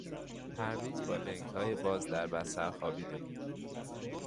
پرویز با لنگهای باز در بستر خوابیده بود.